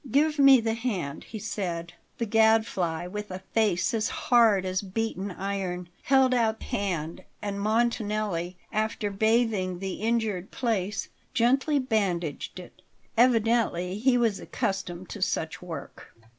"Give me the hand," he said. The Gadfly, with a face as hard as beaten iron, held out the hand, and Montanelli, after bathing the injured place, gently bandaged it. Evidently he was accustomed to such work.